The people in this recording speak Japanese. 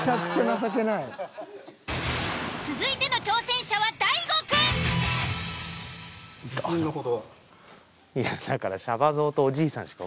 続いての挑戦者は大悟くん。